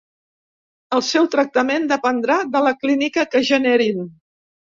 El seu tractament dependrà de la clínica que generin.